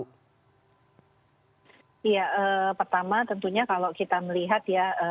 ya pertama tentunya kalau kita melihat ya